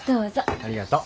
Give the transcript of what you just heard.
ありがとう。